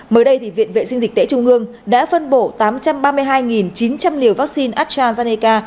mới đây viện vệ sinh dịch tễ trung ương đã phân bổ tám trăm ba mươi hai chín trăm linh liều vaccine astrazeneca